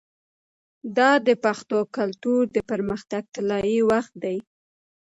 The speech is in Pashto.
دا د پښتو کلتور د پرمختګ طلایی وخت دی.